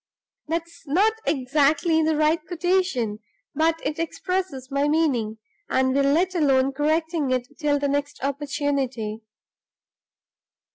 That's not exactly the right quotation; but it expresses my meaning, and we'll let alone correcting it till the next opportunity."